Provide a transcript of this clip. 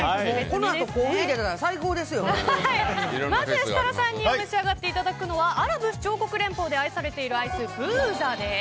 このあとコーヒー出たらまず設楽さんに召し上がっていただくのはアラブ首長国連邦で愛されているアイス、ブーザです。